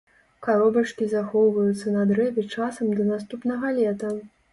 Каробачкі захоўваюцца на дрэве часам да наступнага лета.